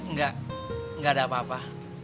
nggak nggak ada apa apa